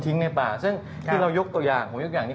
ที่เรายกตัวอย่างขึ้นมา